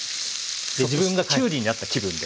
自分がきゅうりになった気分で。